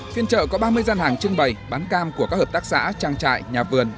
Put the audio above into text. phiên trợ có ba mươi gian hàng trưng bày bán cam của các hợp tác xã trang trại nhà vườn